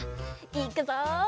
いくぞ。